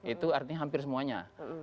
itu artinya hampir semuanya